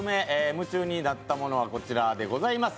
夢中になったものはこちらでございます。